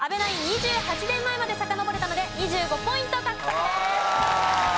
２８年前までさかのぼれたので２５ポイント獲得です。